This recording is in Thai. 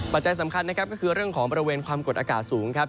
จัยสำคัญนะครับก็คือเรื่องของบริเวณความกดอากาศสูงครับ